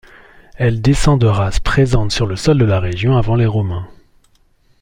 Elle descend de races présentes sur le sol de la région avant les Romains.